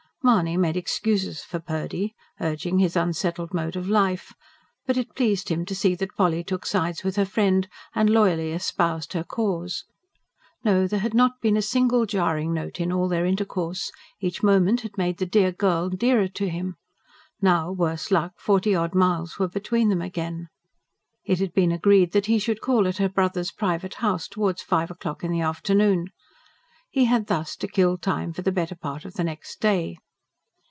Mahony made excuses for Purdy, urging his unsettled mode of life. But it pleased him to see that Polly took sides with her friend, and loyally espoused her cause. No, there had not been a single jarring note in all their intercourse; each moment had made the dear girl dearer to him. Now, worse luck, forty odd miles were between them again. It had been agreed that he should call at her brother's private house, towards five o'clock in the afternoon. He had thus to kill time for the better part of the next day.